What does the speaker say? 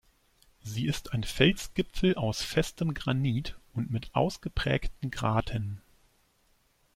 Sie ist ein Felsgipfel aus festem Granit und mit ausgeprägten Graten.